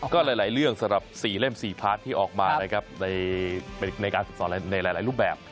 ก็หลายเรื่องสำหรับ๔เล่ม๔พาร์ทที่ออกมานะครับในการฝึกสอนในหลายรูปแบบ